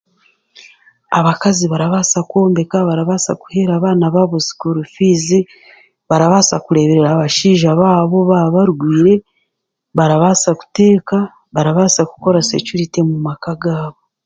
Abakazi barabaasa kwombeka barabaasa kuhiira abaana baabo sikuuru fiizi, barabaasa kureeberera abashaija baabo baaba barwaire barabaasa kuteeka barabaasa kukora sekyurite omu maka gaabo